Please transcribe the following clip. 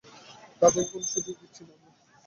তাদেরকে কোনো সুযোগ দিচ্ছি না আমরা।